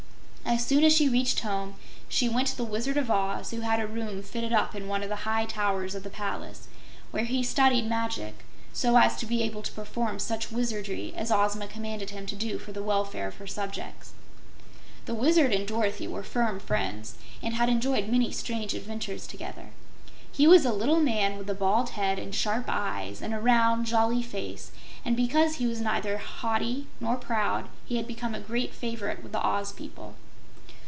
As soon as she reached home, she went to the Wizard of Oz, who had a room fitted up in one of the high towers of the palace, where he studied magic so as to be able to perform such wizardry as Ozma commanded him to do for the welfare of her subjects. The Wizard and Dorothy were firm friends and had enjoyed many strange adventures together. He was a little man with a bald head and sharp eyes and a round, jolly face, and because he was neither haughty nor proud he had become a great favorite with the Oz people.